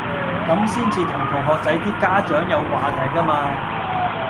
咁先至同同學仔啲家長有話題㗎嘛